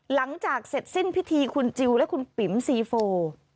หลังจากเสร็จสิ้นพิธีคุณจิลและคุณปิ๋มซีโฟ